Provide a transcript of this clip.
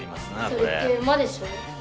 それって「馬」でしょ？